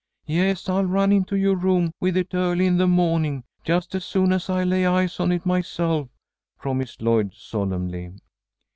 "Yes, I'll run into yoah room with it early in the mawning, just as soon as I lay eyes on it myself," promised Lloyd, solemnly.